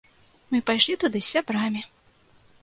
Мы пайшлі туды з сябрамі.